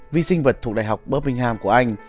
vi sinh vật thuộc đại học birmingham của anh